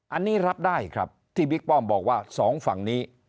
อันนี้รับได้ครับที่บิ๊กป้อมบอกว่าสองฝั่งนี้